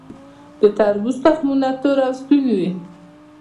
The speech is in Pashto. د تربوز تخمونه تور او سپین وي.